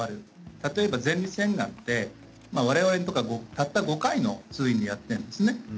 例えば前立腺がんでわれわれってたった５回の通院でやっているんです。